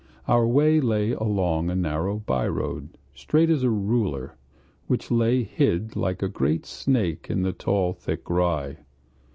Our way lay along a narrow by road, straight as a ruler, which lay hid like a great snake in the tall thick rye.